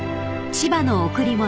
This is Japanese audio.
『千葉の贈り物』］